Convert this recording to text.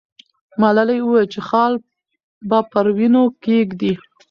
ملالۍ وویل چې خال به پر وینو کښېږدي.